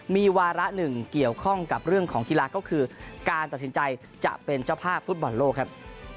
มีวาระหนึ่งเกี่ยวข้องกับเรื่องของกีฬาก็คือการตัดสินใจจะเป็นเจ้าภาพฟุตบอลโลกครับ